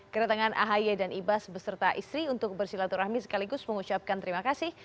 kedatangan ahy dan ibas beserta istri untuk bersilaturahmi sekaligus mengucapkan terima kasih